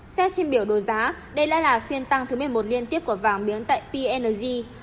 xét trên biểu đồ giá đây đã là phiên tăng thứ một mươi một liên tiếp của vàng miếng tại png